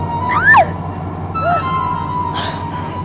jangan dia membatalkan